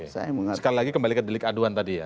sekali lagi kembali ke delik aduan tadi ya